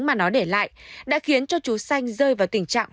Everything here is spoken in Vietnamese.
mà nó để lại đã khiến cho chú sanh rơi vào tình trạng hoang dã